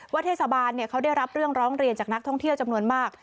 เทศบาลเขาได้รับเรื่องร้องเรียนจากนักท่องเที่ยวจำนวนมาก